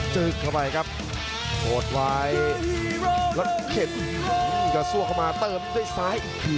จึกเข้าไปครับโหดไว้แล้วเข็นกระซวกเข้ามาเติมด้วยซ้ายอีกที